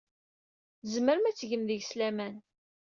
Tzemrem ad tgem deg-s laman.